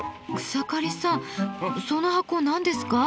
草刈さんその箱何ですか？